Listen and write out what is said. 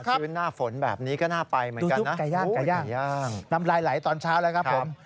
ป่าชื่นหน้าฝนแบบนี้ก็หน้าไปเหมือนกันนะดูทุกไก่ย่างไก่ย่างนำลายไหลตอนเช้าแล้วครับ